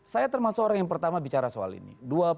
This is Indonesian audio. saya termasuk orang yang pertama bicara soal ini